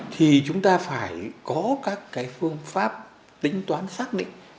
thì chúng ta phải có các cái phương pháp tính toán xác định